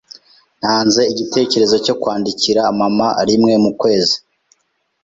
Ntanze igitekerezo cyo kwandikira mama rimwe mu kwezi.